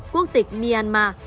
quốc tịch myanmar